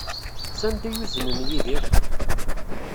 Sanda ay uznen Yidir?